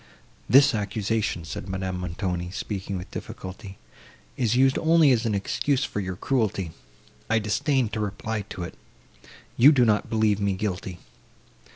"This accusation," said Madame Montoni, speaking with difficulty, "is used only as an excuse for your cruelty; I disdain to reply to it. You do not believe me guilty."